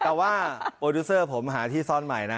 แต่ว่าโปรดิวเซอร์ผมหาที่ซ่อนใหม่นะ